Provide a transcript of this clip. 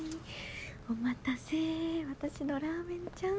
お待たせ私のラーメンちゃん。